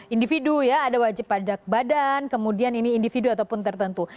individu ya ada wajib pajak badan kemudian ini individu ataupun tertentu